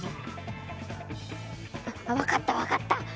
あっ分かった分かった。